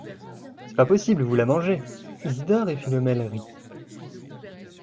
C’est pas possible, vous la mangez." Isidore et Philomèle rient.